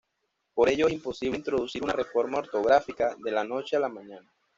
Por ello es imposible introducir una reforma ortográfica "de la noche a la mañana".